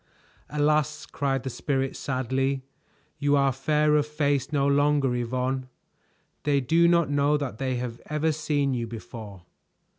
"Alas!" cried the Spirit sadly. "You are fair of face no longer, Yvonne. They do not know that they have ever seen you before."